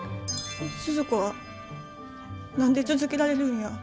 スズ子は何で続けられるんや？